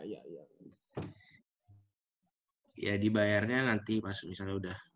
ya dibayarnya nanti pas misalnya udah